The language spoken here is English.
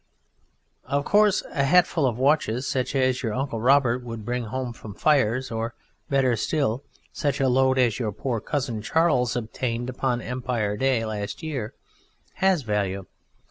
Of course a hatful of watches, such as your Uncle Robert would bring home from fires, or better still, such a load as your poor cousin Charles obtained upon Empire Day last year, has value.